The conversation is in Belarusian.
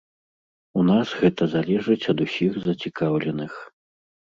У нас гэта залежыць ад усіх зацікаўленых.